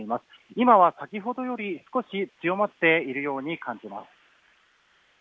今は先ほどより少し強まっているように感じます。